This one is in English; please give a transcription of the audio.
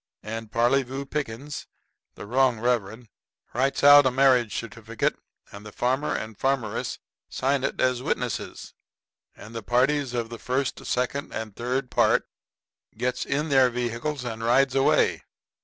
And Parleyvoo Pickens, the wrong reverend, writes out a marriage certificate, and farmer and farmeress sign it as witnesses. And the parties of the first, second and third part gets in their vehicles and rides away.